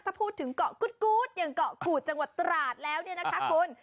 ถ้าพูดถึงเกาะกู๊ดอย่างเกาะขูดจังหวัดตราดแล้วเนี่ยนะคะคุณ